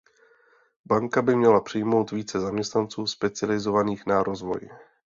Banka by měla přijmout více zaměstnanců specializovaných na rozvoj.